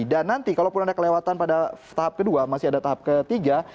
dan nanti kalau pun ada kelewatan pada tahap kedua masih ada tahap ketiga